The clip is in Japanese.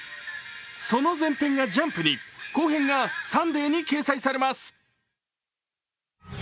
その前編が「ジャンプ」に後編が「サンデー」に掲載されます。